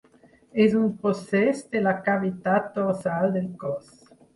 És un procés de la cavitat dorsal del cos.